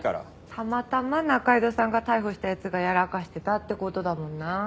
たまたま仲井戸さんが逮捕した奴がやらかしてたって事だもんな。